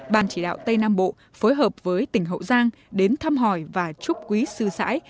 ban chỉ đạo tây nam bộ phối hợp với tỉnh hậu giang đến thăm hỏi và chúc quý sư sãi